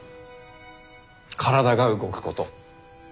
体が動くこと。